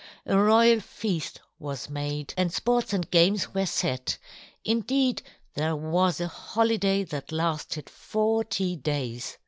A royal feast was made, and sports and games were set; indeed there was a holiday that lasted forty days.